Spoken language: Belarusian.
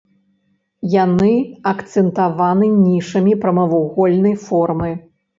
Яны акцэнтаваны нішамі прамавугольнай формы.